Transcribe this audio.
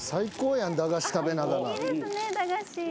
いいですね駄菓子。